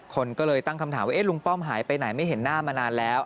คนก็เลยตั้งคำถามว่าลุงป้อมหายไปไหนไม่เห็นหน้ามานานแล้ว